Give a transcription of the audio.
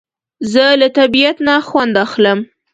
زه له طبیعت نه خوند اخلم